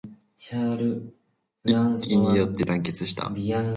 一揆によって団結した